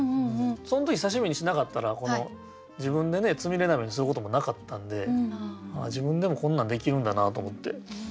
そん時刺身にしなかったら自分でつみれ鍋にすることもなかったんで自分でもこんなんできるんだなと思って。